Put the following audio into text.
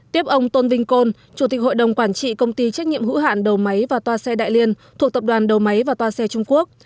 tiếp ông tôn vinh côn chủ tịch hội đồng quản trị công ty trách nhiệm hữu hạn đầu máy và toa xe đại liên thuộc tập đoàn đầu máy và toa xe trung quốc